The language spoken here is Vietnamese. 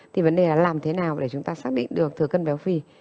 thì vấn đề là làm thế nào để chúng ta xác định được thừa cân béo phì